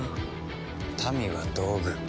民は道具。